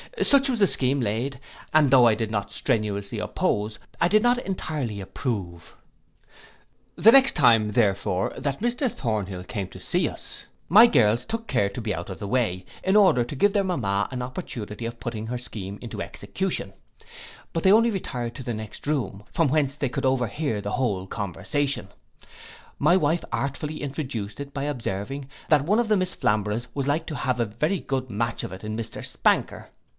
Such was the scheme laid, which though I did not strenuously oppose, I did not entirely approve. The next time, therefore, that Mr Thornhill came to see us, my girls took care to be out of the way, in order to give their mamma an opportunity of putting her scheme in execution; but they only retired to the next room, from whence they could over hear the whole conversation: My wife artfully introduced it, by observing, that one of the Miss Flamboroughs was like to have a very good match of it in Mr Spanker.